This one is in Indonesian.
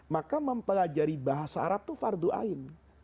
maka mempelajari bahasa arab itu fardu'ain